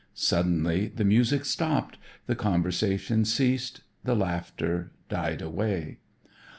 Suddenly the music stopped, the conversation ceased, the laughter died away.